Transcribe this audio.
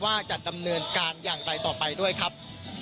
ว่าจะดำเนินการอย่างไรต่อไปด้วยครับ